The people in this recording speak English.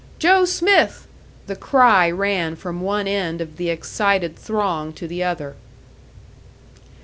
"Joe Smith!" The cry ran from one end of the excited throng to the other.